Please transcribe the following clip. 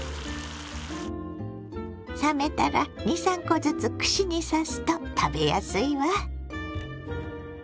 冷めたら２３コずつ串に刺すと食べやすいわ。